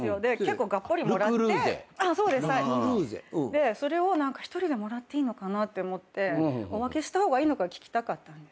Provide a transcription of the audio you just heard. でそれを一人でもらっていいのかなって思ってお分けした方がいいのか聞きたかったんです。